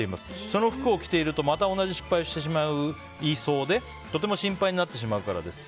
その服を着ているとまた同じ失敗をしてしまいそうでとても心配になってしまうからです。